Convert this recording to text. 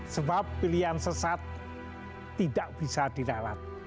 sebab pilihan sesat tidak bisa dirawat